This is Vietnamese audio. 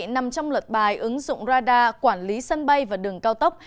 nằm trong luật bài ứng dụng radar quản lý sân bay và đường cao tốc